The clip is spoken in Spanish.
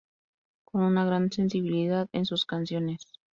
Con una gran sensibilidad en sus canciones.